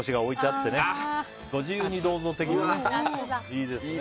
いいですね。